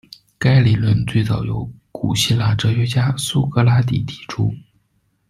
该理论最早由古希腊哲学家苏格拉底提出。